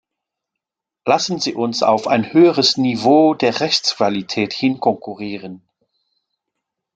Lassen Sie uns auf ein höheres Niveau der Rechtsqualität hin konkurrieren.